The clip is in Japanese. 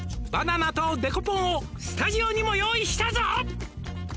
「バナナとデコポンをスタジオにも用意したぞ」